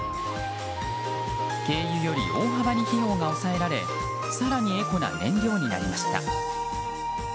軽油より大幅に費用が抑えられ更にエコな燃料になりました。